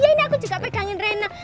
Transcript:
ini aku juga pegangin rena